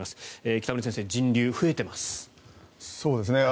北村先生、人流増えています。